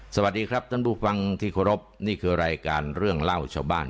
สวัสดีครับท่านผู้ฟังที่เคารพนี่คือรายการเรื่องเล่าชาวบ้าน